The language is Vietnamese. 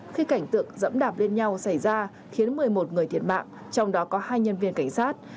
khi cảnh tượng dẫm đạp lên nhau xảy ra khiến một mươi một người thiệt mạng trong đó có hai nhân viên cảnh sát